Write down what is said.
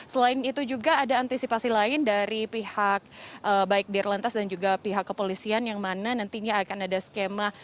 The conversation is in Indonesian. selain itu juga ada antisipasi lain dari pihak baik dirlantas dan juga pihak kepolisian yang mana nantinya akan ada skema